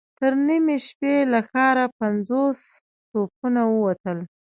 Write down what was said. تر نيمې شپې له ښاره پنځوس توپونه ووتل.